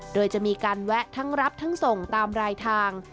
โดยจะมีการแวะทั้งรับทั้งส่งตามรายทาง